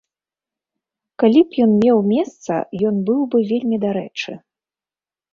Калі б ён меў месца, ён быў бы вельмі дарэчы.